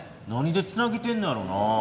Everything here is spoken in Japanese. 何でつなげてんのやろうな？